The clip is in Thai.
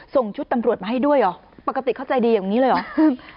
ส่งชุดตำรวจมาให้ด้วยเหรอปกติเขาใจดีอย่างนี้เลยเหรออืม